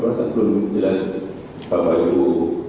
masa belum jelas bapak ibu